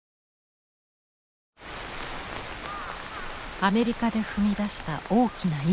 アメリカで踏み出した大きな一歩。